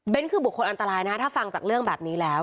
คือบุคคลอันตรายนะถ้าฟังจากเรื่องแบบนี้แล้ว